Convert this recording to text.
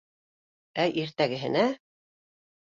Ә иртәгәһенә.